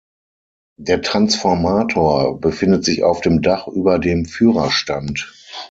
Der Transformator befindet sich auf dem Dach über dem Führerstand.